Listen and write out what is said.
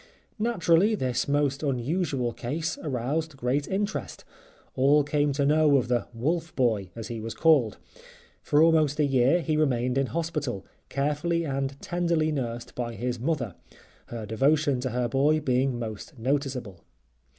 Naturally this most unusual case aroused great interest; all came to know of the "Wolf Boy" as he was called. For almost a year he remained in hospital, carefully and tenderly nursed by his mother; her devotion to her boy being most noticeable.